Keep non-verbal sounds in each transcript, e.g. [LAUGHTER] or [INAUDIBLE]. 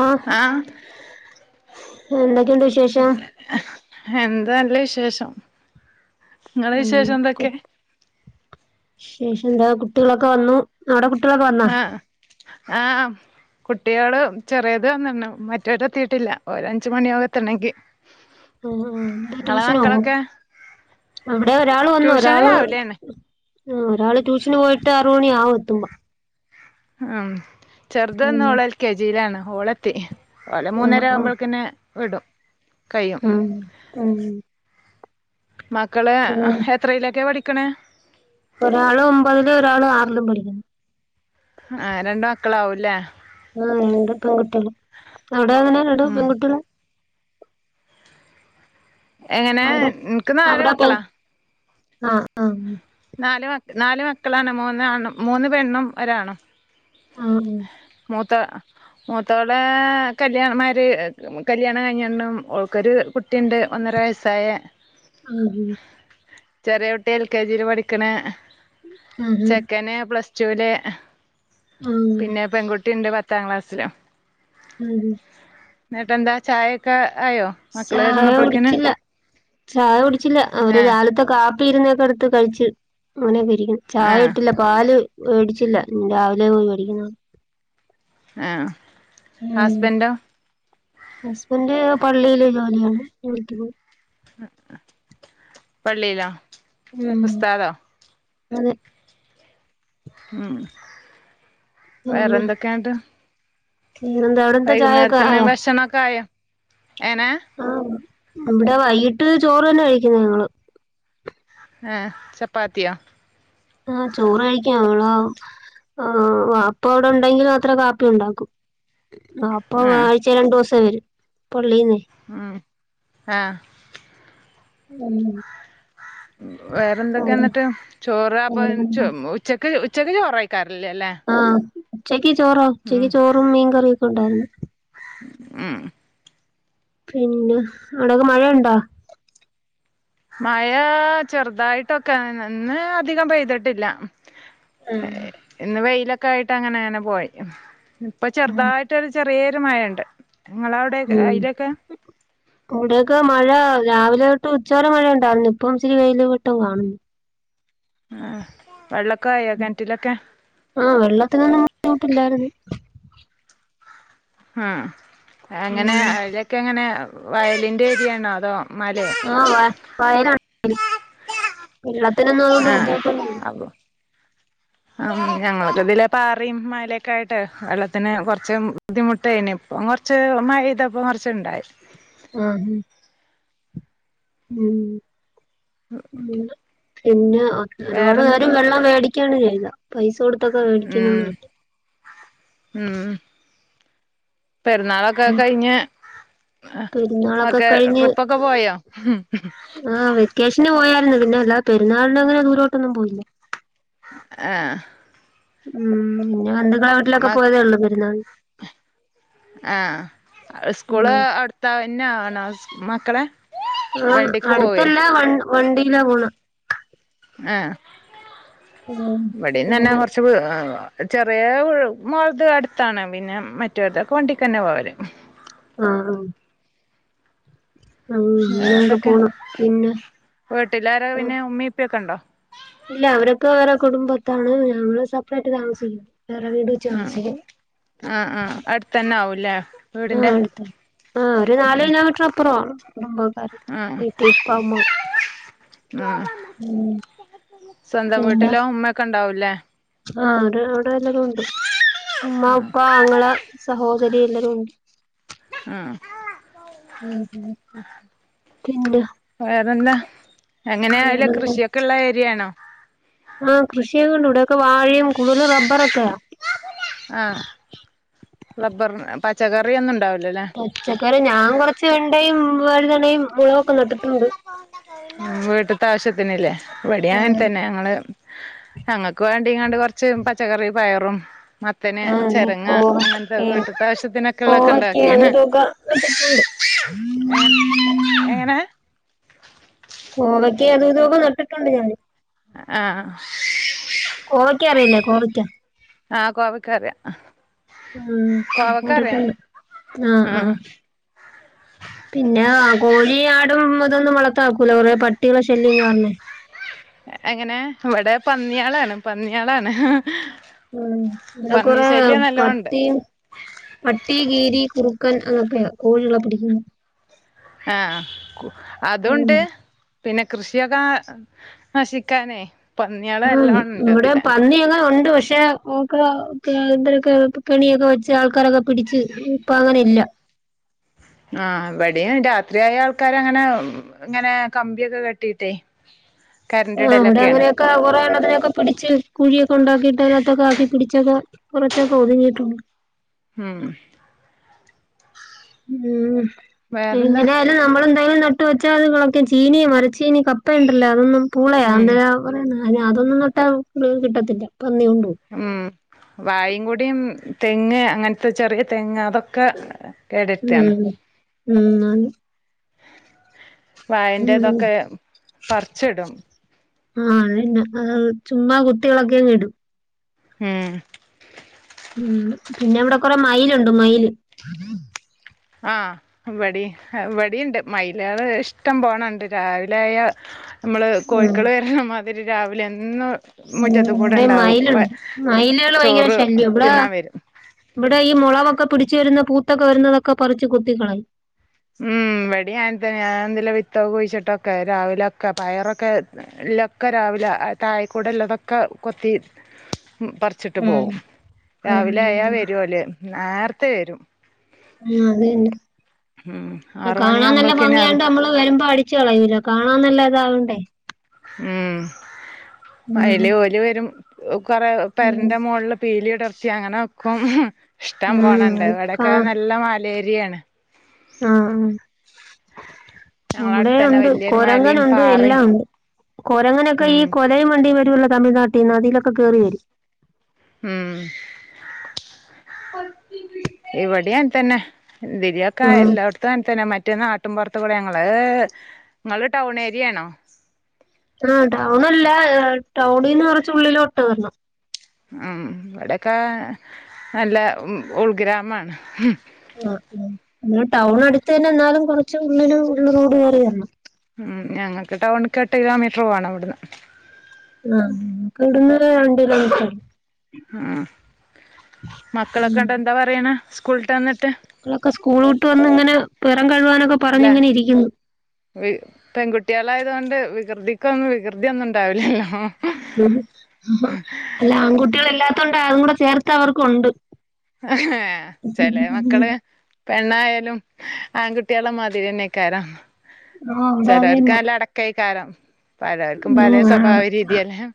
ആ ആഹ് എന്തൊക്കെയുണ്ട് വിശേഷം? എന്ത നല്ല വിശേഷം. ങ്ങളെ ഉം വിശേഷം എന്തൊക്കെ? ഇശേഷം എന്താ കുട്ട്യളൊക്കെ വന്നു, നിങ്ങടെ ആ ആ കുട്ടികള് ചെറിയത് വന്നട്ണ് മറ്റെവരെത്തീട്ടില്ല ഒരഞ്ചു മണിയാവ്വെത്തണെങ്കി. ഉം ഉം ന്ത് ട്യൂഷനുപോവോ അവിടെ ഒരാൾ വന്നു ട്യൂഷന് ഒരാള് രാവിലെയാണ് ആ ഒരാള് ട്യൂഷന് പോയിട്ട് അറു മണി ആവു ത്തുമ്പോ ആ ഉം ചെറുതന്നോള് ൽ കെ ജിയിലാണ് ഓളെത്തി ഓല ആ ആ മൂന്നേരാവുമ്പോഴക്കന്നെ വിടും കഴിയും ഉം ഉം മക്കളെ ആ പിന്നെ എത്രയെലൊക്കാ പഠി ക്ക്ണ് ഒരാള് ഒമ്പതില് ഒരാള് ആറിലും പഠിക്കുന്നു ആ രണ്ട ക്കളാവും അല്ലേ ആ രണ്ട് പെൺകുട്ടികള് അവിടെ എങ്ങനാ രണ്ട് ഉം പെൺകുട്ടികളാ എങ്ങനെ അവിടെ ന്ക്ക് അവിടെ പെ നാലുമക്കളാ ആ ആ നാല് മ നാല് മക്കളാണ് മൂന്നാണും മൂന്ന് പെണ്ണും ഒരാണും ആഹ മൂത്ത മൂത്തോളെ കല്യണം മാര് കല്യാണ കഴിഞ്ഞണ്ടും ഓൾക്കൊരു കുട്ടിയുണ്ട് ഒന്നര വയസ്സായ ആഹ ചെറിയൊട്ടി എൽ കെ ജിയില് പഠിക്കണ് ആ ആ ചെക്കന് പ്ലസ് ചൂല് ആ പിന്നെ പെൺകു ട്ടിണ്ട് പത്താം ക്ലാസ്സില് ഉം എന്നിട്ടെന്താ ചായെക്കെ ചായ കുടിച്ചില്ല ചായ കുടിച്ചില്ല അവര് ആ രാവിലത്തെ കാ പീരുന്നൊക്കെ എടുത്ത് കഴിച്ചു അങ്ങനെ രിക്കുന്ന് ആ ചായ ഇട്ടില്ല പാല് വേടിച്ചില്ല രാവിലെ പോയി വേടിക്കുന്ന ആ ഹസ്ബൻന്റോ ഹസ്ബൻഡ് പള്ളിയില് ജോലിയാണ്, [UNINTELLIGIBLE] പോയി പള്ളിയിലാ ഉം ഉസ്താദോ? അതെ. ഉം വേറെന്തൊക്കെയോണ്ട്? പിന്നെന്താ അവിടെന്താ ചായേക്കായാ? ഭക്ഷണൊക്കെ ആയോ എങ്ങനെ ആഹ് ഇവിടെ വൈയിട്ട് ചോറ് തന്നാ കഴിക്കുന്നെ ഞങ്ങള്. ആഹ് ചപ്പാത്തിയോ? ആ ചോറ് കഴിക്കാം [UNINTELLIGIBLE] വാപ്പ അവിടെ ഒണ്ടെങ്കിൽ മാത്രേ കാപ്പി ഉണ്ടാക്കും. അപ്പൊ ആഹ് ആഴ്ചേ രണ്ടോസം ഉപ്പ വരും. പള്ളിന്നേ. ഉം ആഹ് ഉം ഉം വേറെന്തൊക്കെ അതെ എന്നിട്ട്? ചോറ് [UNINTELLIGIBLE] വേറെന്താ ഉച്ചക്ക് ഉച്ചക്ക് ച്ചക്ക് ചോറായിക്കാ. ല്ലല്ലേ? ച്ചക്ക് ക്ക് ചോറോ ഉച്ചക്ക് ചോറും മീങ്കറിയും ഒണ്ടായിരുന്ന് ഉം പിന്നെ അവിടക്കെ മഴയൊണ്ടോ? മഴാ ചെറുതായിട്ടൊക്കെ നിന്ന് അധികം പെയ്തട്ടില്ല. ഉം ഇന്ന് വെയിലൊ ക്കായിട്ട് അങ്ങനെ അങ്ങനെ പോയി. ഇപ്പൊ ചെറുതായിട്ടൊരു ചെറി പേരുമഴയിണ്ട് ഉം ഇവിടെയൊക്കെ മഴ രാവിലെ തൊ ട്ടുച്ചവരെ മഴയൊണ്ടായിരുന്ന് ഇപ്പം ഇച്ചിരി വെയിലും വെട്ടോം കാണുന്നു. ആഹ് വെള്ള ആഹ് വെള്ളത്തിനൊന്നും ബുദ്ധിമുട്ടില്ലായിരുന്നു. ആഹ് എങ്ങനേ ഉം അതിലൊക്കെങ്ങനേ വയലിന്റെ ഏരിയയാണോ അതോ? മലയോ ആഹ് വ വയലൊ [UNINTELLIGIBLE] ള്ള തോനോന്നും അതുകൊണ്ട് ബുദ്ധിമുട്ടന്നുമില്ല ആ ഞങ്ങക്കതിലെ പാറയും മലൊക്കെ ആയിട്ട് വെള്ളത്തിന് കൊറച്ച് ബുദ്ധിമുട്ട് ആയിന് ഇപ്പം കൊറച്ച് മയപെയ്പ്പം കൊറച്ചുണ്ടായി ആഹ് ആഹ് ഉം ഉം പിന്നെ ഒരുപാട് പേരും വേറെന്തൊക്കെ വെള്ളം വേടിക്കയാണ് ചെയ്ക പൈസോട് [UNINTELLIGIBLE] ഉം മേടിക്കുന്ന [UNINTELLIGIBLE] ഉം പെരുന്നാളൊക്കെ കഴിഞ്ഞ് പെരുന്നാളൊക്കെ ഒക്കെ കഴിഞ്ഞ് ട്രിപ്പൊക്കെ പോയോ ആ വെക്കേഷന് പോയാ [UNINTELLIGIBLE] പിന്നെ അല്ലാ പെരുന്നാളിന് അങ്ങനെ ദൂരോട്ടൊന്നും പോയില്ല ആഏ ഉം പിന്നെ [UNINTELLIGIBLE] മക്ക് പോയേതെ ഒള്ളൂ പെരുന്നാ ആഹ് സ്കൂള് അടുത്ത ന്നാണോ സ് മക്കളെ ആഹ് വണ്ടിക്ക് പോവേ അടുത്തല്ലേ വൺ വണ്ടിലാ പോണ് എ വ്ടേം തന്നെ പിന്നെ കൊറച്ച് ചെറിയ മോൾടെ അടുത്താണ് പിന്നെ മറ്റൊദേക്കെ വണ്ടിക്കെന്നെ പോവല് ആഹ് ആഹ് ആഹ് അങ്ങനെയൊക്കെ വറെഎന്തൊക്കെ പോണ് പിന്നെ വീട്ടിലാര പിന്നെ ഉമ്മേംഇപ്പക്കെണ്ടോ ഇല്ല അവരൊക്കെ വേറെ കുടുംബത്താണ് ഞങ്ങള് സെപ്പറേറ്റ് താമസിക്ക ആ ആ ആ അടുത്തതന്നെ ആവും ഇല്ല ആ അടുത്ത ആ ഒരു നാല് കിലോമീറ്റർ അപ്പുറണ് കുടുംബക്കാർ ആഹ് വീട്ടി ഉപ്പഉമ്മ ആഹ് ഉ പിന്നെ ല്ല ആ അത് ല്ലും ഉണ്ട് ഉമ്മ ഉപ്പ ആങ്ങള സഹോദരി എല്ലരും ഉണ്ട് ഉം പിന്നെ വേറെന്താ എങ്ങനെയയല്ല വേറെന്താ കൃഷിയൊക്കെള്ള ഏരിയയാണോ ആഹ് കൃഷിയൊക്കെ ഉണ്ട് ഇവിടെയൊക്കെ വാഴയും കൂടുതൽ റബ്ബറൊക്കെയാ ആഹ് റബ്ബർ പച്ചക്കറി ഒന്നുംണ്ടാവ പച്ചക്കറി ഞാൻ കൊറച്ച് വെണ്ടയും വഴുതനയും മുളക് ഒക്കെനട്ടു ഉണ്ട് ഉ വീട്ടത്തെ ആവശ്യത്തിന്ല്ലേ ഇവിടെ അങ്ങനെ ആഹ് തന്നെ ഞങ്ങള് ഞങ്ങക്ക് വേണ്ടിങ്ങാണ്ട് കൊറച്ച് പച്ചക്കറി പയറും മത്തന് ആഹ് നീ ചെരങ്ങ അങ്ങനത്തെ കോവക്കയും വീട്ടിതെ അവശ്യത്തിനൊക്കെ ഉള്ളൊതെക്കെ കോവക്കയും അതും ഉണ്ടാക്കിക്ണു ഇതൊക്കെ നട്ടിട്ടുണ്ട് അങ്ങനെ കോവക്കെ അത ഇതക്കെ നട്ടിട്ടുണ്ട് ഞാൻ ആഹ ഇക്ക് അറിയില്ലേ കോവെക്ക ആഹ കോവക്കറിയ മ് നട്ടിട്ടുട് ആഹ ആഹ ഉം പിന്നെ കോഴി ആടും അതൊന്നും വളർത്താക്കൂല കുറേ പട്ടികളെ ശല്യം കാരണം എങ്ങനെ ഇവിടെ പന്നിയാളാണ് പന്നിയാളാണ് ഉ ഇവിടെ പന്നി കുറെ ശല്യം നല്ലോണ്ട് പട്ടി പട്ടി കീരി കുറുക്കൻ അത് ഓക്കെയ കോഴികളെ പിടിക്കുണ് ആഹ് ഉം അതുണ്ട് പിന്നെ കൃഷിയൊക്കെ നശിക്കാന് ആ ഇവിടെ പന്നി അങ്ങനെ ഉണ്ട് പക്ഷെ ഒക്കെ ഒരാർതര് കെണിയൊക്കെ വെച്ച് ആൾക്കാരൊക്കെ പിടിച്ചു ഇപ്പ അങ്ങനെ ഇല്ല ആഹ ഇവിടെയും രാത്രിയായ ആൾക്കാര്അങ്ങനെ ഇങ്ങനെ കമ്പിയൊക്കെ കെട്ടീട്ട് ആ അവിടെ അങ്ങനെയൊക്കെ കൊറെ അങ്ങനൊക്കെ പിടിച്ച് കുഴിയൊക്കെ ഉണ്ടാക്കിയിട്ട് അതിനകത്തൊക്കെ ആക്കി പിടിച്ചൊക്കെ കുറച്ചൊക്കെ ഒതുങ്ങിട്ടുണ്ട് ഉം ഉം വേറെന്താ എങ്ങനെയാലും നമ്മൾ എന്തായാലും നട്ട്- എന്നുവച്ചാൽ ചീനി മരച്ചിനി കപ്പയുണ്ടല്ലോ അതൊന്നും പൂളയാ ഉം എന്ത് യാ- അതെ അതൊന്നും നട്ട ഫുൾ കിട്ടത്തില്ല പന്നി ഉണ്ട് വാഴയിം കുടിതെങ്ങ് അങ്ങനത്തെ ചെറിയ തെങ്ങ് അതൊക്കെ കേട് വര്ത്താണ് ഉം ഉം ന്നാലു വാഴന്റെത്ഓക്കെ പറിച്ചിടും ആ അതന്നെ ആ ചുമ്മാ കുത്തിയളകി അങ്ങ് ഇടും ഉം ഉംപിന്നെ ഇവിടെ കൊറെ മയിൽ ഉണ്ട്മയിൽ ആാ ഇവടേം ഇവടേണ്ട് മൈല്കള് ഇഷ്ടം പോണേണ്ട് രാവിലെ ആയാ നമ്മള് ഉം കോയിക്കള് വെരണ മാതി ഇവര് രാവിലെ എന്ന് ഉം ഇവടെയും മൈലെണ്ട് മൈല്കള് ഭയങ്കര ചോറ് ശല്യാ ഇവടെ തിന്നാൻ വരും ഇവടെ ഈ മൊളവൊക്കെ പിടിച്ച് വരുന്ന പൂത്തൊക്കെ വെരുന്നതൊക്കെ പറിച്ച് കൊത്തിക്കളായും ഉം ഇവടെ അങ്ങാതന്ന്യായാ എന്തോലെ വിത്തെ കുഴിച്ചിട്ടൊക്കെ രാവിലൊക്കെ പയറൊക്കെ ഇല്ലൊക്കെ രാവിലെ താഴെക്കൂടെള്ളുതൊക്കെ കൊത്തി പറിച്ചിട്ട് ഉം പോവും ഉം രാവിലെ ആയാ വെരുല്ല് നേർത്തെ വെരും ആാ അത് തന്നെ ആറ് കാണാൻ നല്ലാ മണിയാവുമ്പൾക്കിന് ഭംഗിയാണ്ട് നമ്മള് വെരുമ്പാം അടിച്ച് കളയൂല്ലാ കാണാൻ നല്ലാ താ വേണ്ടേ ഉം ഉം വയലെ ഓര് വെരും കുറെ ഉം പെരൻ്റെമോളില് പീലി വിടർത്തി അങ്ങനെ [UNINTELLIGIBLE] ഇഷ്ടം ഉം പോണെണ്ട് ഇവിടെക്കെ നല്ല മലെ രിയാണ് ആ ആ ഇവടെ ഞങ്ങളടുത്തന്നെ ഒണ്ട് വല്യൊരു മലയും കൊരങ്ങനുണ്ട് പാറയും എല്ലാം ഇണ്ട്. കൊരങ്ങനൊക്കെ ഉം ഈ കൊലെയും [UNINTELLIGIBLE] [UNINTELLIGIBLE] തമിഴ്നാട്ടിന്ന് അതിലൊക്കെ കേറി വെരും. ഉം [INAUDIBLE] ഇവിടെ അങ്ങൻതന്നെ ഇതിരിയൊക്കേ ആഹ് എല്ലോട്ത്തു അങ്ങൻ തന്നെ മ റ്റേ നാട്ടുംപൊറെത്തുടെ ഞങ്ങള് നിങ്ങള് ടൗൺ ഏരിയാണോ? ആ ടൗണല്ല ടൗണീന്ന് കൊറച്ച് ഉള്ളലോട്ട് വെരണം. ഉം ഇവടെക്കെ നല്ല ഉൾഗ്രാമാണ്. ഹ് ആ ആ ഇവടെ ടൗൺ അടുത്ത് തന്നെ എന്നാലും കൊറച്ച് ഉള്ളില് ഉള്ള്റോഡ് കേറിവെരണം. ഞങ്ങക്ക് ടൗണ്ക്ക് എട്ട് കിലോമീറ്റർ പോവണം ഇവട്ന്ന്. ആ ഞങ്ങക്ക് ഇവ്ട്ന്ന് രണ്ട് കിലോമീറ്റർ ഉം മക്കളൊക്കെണ്ട് എന്തോ പറയണേ സ്കൂൾടാന്ന് മക്കളെക്കെ സ്കൂള് വിട്ട് വന്ന് ഇങ്ങനെ പെറം കഴുവാനൊക്കെ അല്ല പറഞ്ഞിങ്ങനെ ഇരിക്കുന്ന് അല്ലായത്കൊണ്ട് വികൃതിക്കൊന്നും വികൃതിയെന്നും ഉണ്ടാവില്ലല്ലോ അല്ല ആൺകുട്ടികളല്ലാം അതും കൂടെ ചേർത്തവർക്ക് ഒണ്ട് എഹേ ചിലേ മക്കള് പെണ്ണായാലും ആൺ കുട്ടിയ്ള മാതിരിയെന്നെക്കാരം [UNINTELLIGIBLE] ക്കാരം പലോർക്കും പലേ ഉം സ്വഭാവ ആണ് രീതിയല്ലേ എഹ്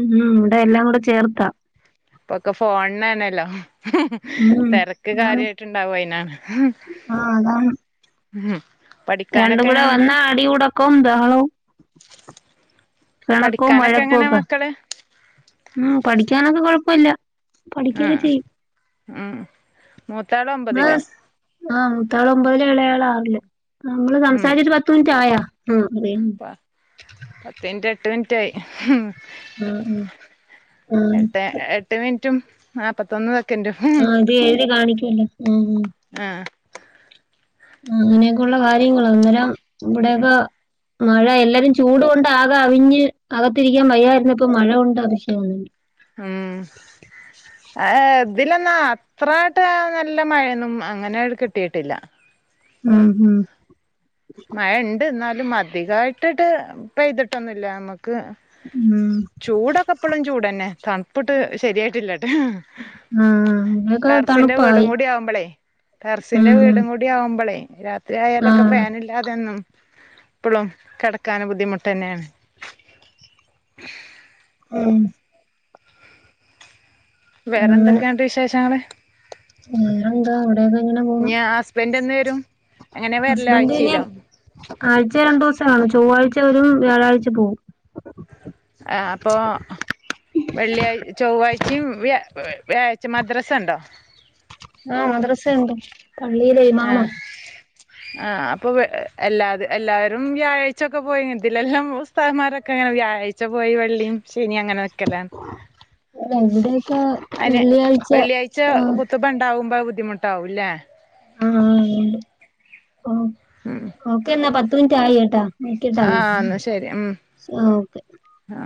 ഉം ഇവ്ടെ എല്ലാം കൂടെ ചേർത്താ പ്പൊക്കെ ഫോണെന്നേണല്ലോ [UNINTELLIGIBLE] ഉം തിരക്ക് ആണ് കാര്യായിട്ട്ണ്ടാവും അയിനാണ് ആഹ് അതാണ് [UNINTELLIGIBLE] രണ്ടും പഠിക്കാനൊക്കെ കൂടെ എങ്ങനെണ്ട് വന്നാ അടി ഉടക്കവും ബഹളവും പെണക്കവും പഠിക്കാനൊക്കെ വഴക്കും എങ്ങനെ ഒക്കാ മക്കള് ഉം പഠിക്കാനൊക്കെ കൊഴപ്പമില്ല പഠിക്കുവൊക്കെ ഉം ചെയ്യും ഉം മൂത്താള് ഒമ്പതിലോ [UNINTELLIGIBLE] ആ മുത്താള് ഒമ്പതില് ഇളയാള് ആറില് നമ്മള് ഉം സംസാരിച്ചിട്ട് പത്ത് മിനിറ്റ് ആയാ [UNINTELLIGIBLE] റ്റായി ഹ് മ് ആഹ് ഉം ആ എട്ട് ഇട്ട് എട്ട് [UNINTELLIGIBLE] ആ ഇത് എഴുതി കാണിക്കു അല്ലോ ആഹ് ആഹ് ആഹ് ആ അങ്ങനെയൊക്കെ ഉള്ള കാര്യങ്ങള് അന്നേരം ഇവിടെയൊക്കാ മഴ എല്ലാരും ചൂട് കൊണ്ട് ആകെ അവിഞ്ഞ് അകത്തിരിക്കാൻ വയ്യായിരുന്നപ്പ മഴ കൊണ്ട് അതിശയവാണ് ഉം ആഹ് ഇതിലെന്നാ അത്രായിട്ട് നല്ല മഴയൊന്നും അങ്ങനെ ടെ കിട്ടിയിട്ടില്ല ഉം ഹും മഴ ഇണ്ട് എന്നാല് [UNINTELLIGIBLE] അധികായിട്ടിട്ട് പെയ്തിട്ടൊന്നുല്ല നമ്മക്ക് ഉം ക്ക് ചൂടൊക്കെ ഇപ്പളും ചൂടന്നെ തണുപ്പിട്ട് ശരിയായിട്ടില്ലട്ട ഹ്ഹ് ആഹ് ഇവിടെയൊക്കെ ടെറസ്സിന്റെ വീടും തണുപ്പായി കൂടി ആവുമ്പളേ ഉം ടെറസ്സിന്റെ ഉം വീടും കൂടി ആവുമ്പളെ [UNINTELLIGIBLE] ത്രിയായാലൊക്കെ ആഹ് ഫാനിൽ [UNINTELLIGIBLE] ഇപ്പളും കെടക്കാന് ബുദ്ധിമുട്ടന്നെയാണ് ങും അങ്ങനെ വേറെന്തൊക്കെണ്ട് വിശേഷങ്ങള് വേറെന്താ ഇവിടേക്കെ ഇങ്ങനെ പോണ്‌ ഇനി ഹസ്ബൻഡ് എന്ന് വരും അങ്ങനെ വരല് ഹസ്ബൻഡ് പിന്നെ ആഴ്ചയിലോ ആഴ്ച്ചേ രണ്ടു ദിവസാവധി അവ ചൊവ്വാഴ്ച്ച വരും വ്യാഴാഴ്ച്ച പോവും. ആ അപ്പൊ വെള്ളിയാഴ് ചൊവ്വാഴ്ച്ചിം വ്യാഴ വ്യാഴ്ച്ച മദ്രസണ്ടോ? ആ മദ്രസയിണ്ട്. പള്ളിയിലെ ആ ഇമാമ. ആ അപ്പൊ എല്ലാ എല്ലാരും വ്യാഴ്ച്ചൊക്കെ പോയി ഇതിലെല്ലാം ഉസ്താദ്മാരൊക്കെ അങ്ങനെ വ്യാഴാഴ്ച്ച പോയി വെള്ളീം ശ ഇനി അങ്ങനെ നിക്കലാണ് അല്ല ഇവിടെയൊക്കെ അയിന് വെള്ളിയാഴ്ച വെള്ളിയാഴ്ച്ച ആഹ് ഖുത്തുമ്പണ്ടാവുമ്പോ ബുദ്ധിമുട്ടാവും ല്ലേ ആ ആ ഓ ഉം ഓക്കെ എന്നാ പത്ത് മിനിറ്റ് ആയി ട്ടൊ നോക്കിട്ടോ ആ എന്നാ ശരി ഉം ആ ഓക്കെ. ആ